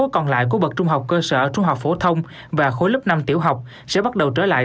các trung học cơ sở trung học phổ thông và khối lớp năm tiểu học sẽ bắt đầu trở lại